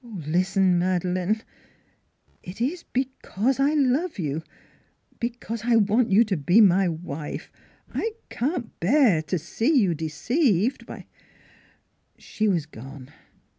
... Listen, Madeleine it is because I love you because I want you to be my wife I can't bear to see you deceived by " She was gone.